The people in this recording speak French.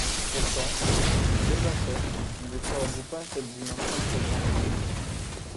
Pourtant, Levasseur ne se réduit pas à cette dimension programmatique.